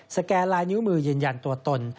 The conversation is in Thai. แกนลายนิ้วมือยืนยันตัวตน